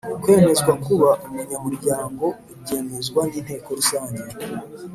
Kwemezwa kuba umunyamuryango byemezwa n’Inteko Rusange